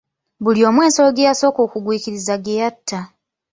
Buli omu ensolo gye yasooka okugwikiriza gye yatta.